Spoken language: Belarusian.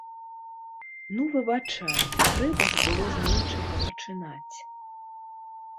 Ну выбачай, трэба ж было з нечага пачынаць.